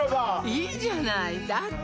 いいじゃないだって